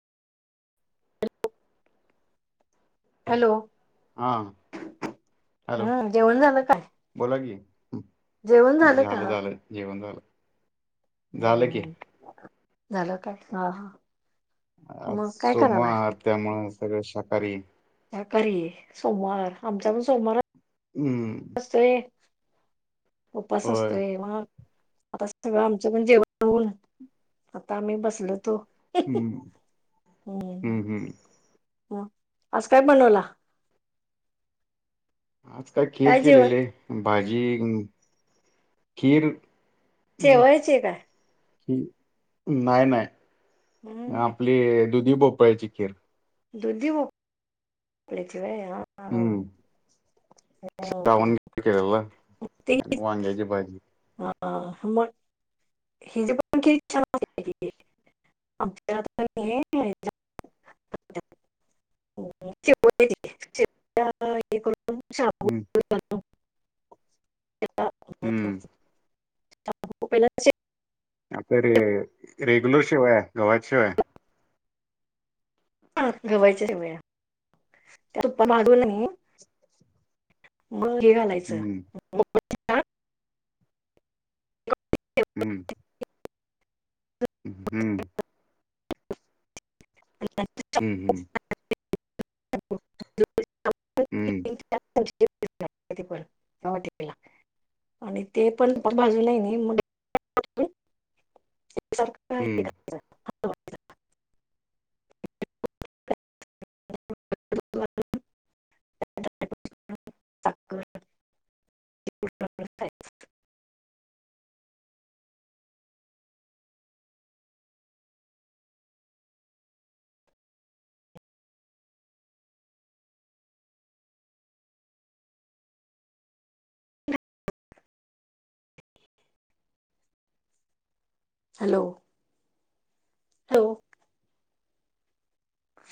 Hello हा hello हं जेवण झालं काय? बोला की जेवण झालं का झालंझालं, जेवण झालं, झालं, की. हम्म झालं काय हा हा! आज मग काय करायलाय सोमवर, त्यामुळ सगळ शाकाहारी शाकारी ये सोमवार आमचा पण सोमवार [inaudible] असतो ये उपास होय असतोय म्हणून. आता सगळं आमचं पण जेवण होऊन, आता आम्ही बसलो होतो. हम्म हूं हम्म हम्म आज काय बनवला? आज काय खीर केलेले, भाजी, खीर चेवायचे का? नाय, नाय, हम्म आपली दुधी भोपळ्याची खीर. दुधी भोप ळ्या ची वय हं! हूं [unintelligible] वण घ केलेला ते वांग्याची भाजी हा हा मं! हि ज पखी इच्छा.. आ.. मच्या [unintelligible] [inaudible] चेपू.. देत ह चेपू एक- एक रुपया छापतात [unintelligible] हूं! पहिला.. हम्म चे [unintelligible] आता रे रेगुलर शेवाया, गव्हा शेवाया. अ गव्हाच्या शेवया [unintelligible] घडी घालायचं हम्म [unintelligible] हूं! [unintelligible] [inaudible] हं हम्म [unintelligible] [inaudible] हम्.. हम्म [unintelligible] हम्म [inaudible] घ्या ते पण लावा ते पहिला आणि ते पण बाजूला आहे मी एक सारखं हे हम्म करायचं. हळद, तेष् [unintelligible] [inaudible] हॅलो! हॅलो!